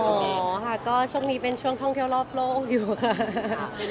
อ๋อค่ะก็ช่วงนี้เป็นช่วงท่องเที่ยวรอบโลกอยู่ค่ะ